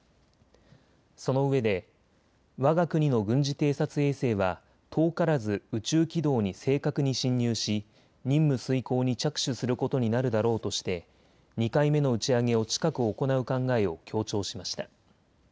そのうえでわが国の軍事偵察衛星は遠からず宇宙軌道に正確に進入し任務遂行に着手することになるだろうとして２回目の打ち上げを近く行う考えを強調しました。